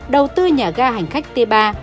đầu tư nhà ga hành khách t ba